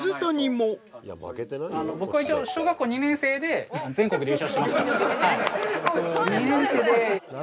僕は一応小学校２年生で全国で優勝しました。